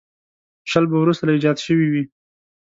شل به وروسته ایجاد شوي وي.